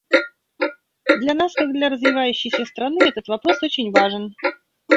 Для нас как для развивающейся страны этот вопрос очень важен.